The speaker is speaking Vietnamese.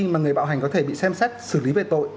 mà người bạo hành có thể bị xem xét xử lý về tội